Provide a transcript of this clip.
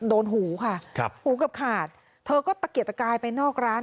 หูค่ะครับหูเกือบขาดเธอก็ตะเกียกตะกายไปนอกร้าน